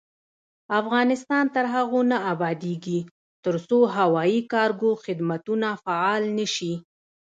افغانستان تر هغو نه ابادیږي، ترڅو هوایي کارګو خدمتونه فعال نشي.